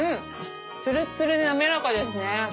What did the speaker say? ツルツルで滑らかですね。